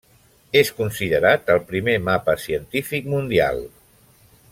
És considerat el primer mapa científic mundial.